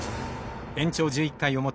延長１１回表。